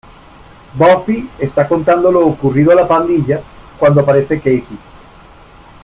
Buffy está contando lo ocurrido a la pandilla cuando aparece Kathie.